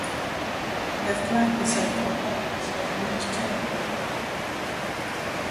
The flag is at the apex of Nij temple.